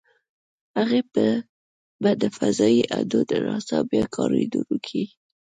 هغې به د فضايي اډو - د ناسا بیا کارېدونکې.